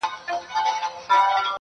بس که! آسمانه نور یې مه زنګوه؛